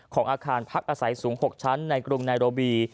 ของอาคารพักอาศัยสูง๖ชั้นในกรุงไนโรบี